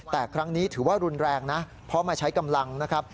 แต่ครั้งนี้ถือว่ารุนแรงนะเพราะมาใช้กำลังนะครับ